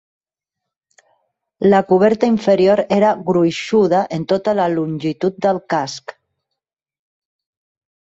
La coberta inferior era gruixuda en tota la longitud del casc.